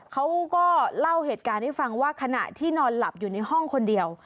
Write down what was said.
เขาก็เล่าเหตุการณ์ให้ฟังว่าขณะที่นอนหลับอยู่ในห้องคนเดียว